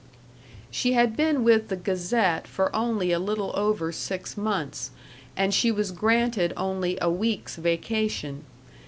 She had been with the Gazette for only a little over six months, and she was granted only a week's vacation.